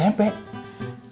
mantan lu zaman smp